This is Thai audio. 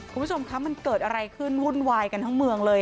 คุณผู้ชมคะมันเกิดอะไรขึ้นวุ่นวายกันทั้งเมืองเลย